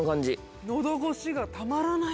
・喉越しがたまらない